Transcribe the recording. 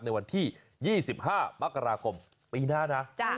ในวันที่๒๕มกราคมปีหน้านะ